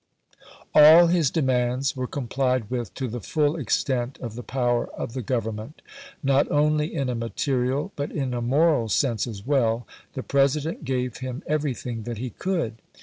All his demands were complied with to the full extent of the power of the Government. Not only in a material but in a moral sense as well, the President gave him everything that he could.